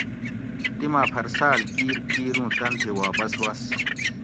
تِیماٞ پھر ساٞل کِیر کِیر اُوں تن تھی واپس وس